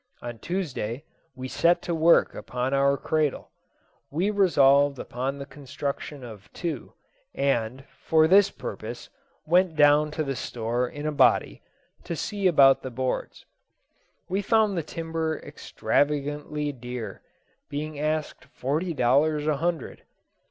On Tuesday, we set to work upon our cradle. We resolved upon the construction of two; and, for this purpose, went down to the store in a body, to see about the boards. We found the timber extravagantly dear, being asked forty dollars a hundred.